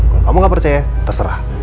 kalau kamu gak percaya terserah